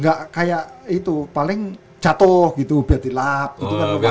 nggak kayak itu paling jatuh gitu berarti lap gitu kan